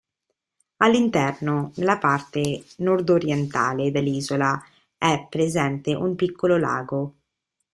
All'interno, nella parte nordorientale dell'isola, è presente un piccolo lago.